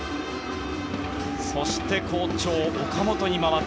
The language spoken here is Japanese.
そして、好調の岡本に回る。